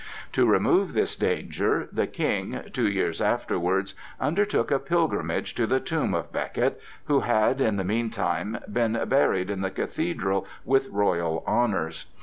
To remove this danger the King two years afterwards undertook a pilgrimage to the tomb of Becket, who had in the meantime been buried in the Cathedral with royal honors.